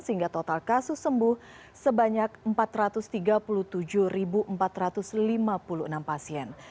sehingga total kasus sembuh sebanyak empat ratus tiga puluh tujuh empat ratus lima puluh enam pasien